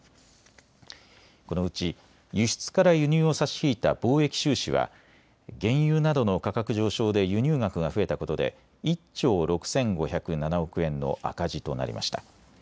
このうち輸出から輸入を差し引いた貿易収支は原油などの価格上昇で輸入額が増えたことで１兆６５０７億円の赤字となりました。